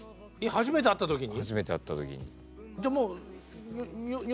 初めて会った時に。